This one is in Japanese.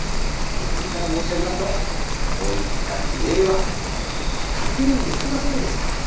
結論から申し上げますとそういった事例は確認できませんでした。